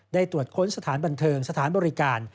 ตรวจค้นสถานบันเทิงสถานบริการ